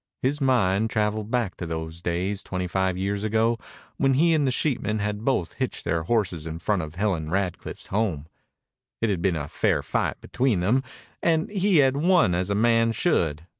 His mind traveled back to those days twenty five years ago when he and the sheepman had both hitched their horses in front of Helen Radcliff's home. It had been a fair fight between them, and he had won as a man should.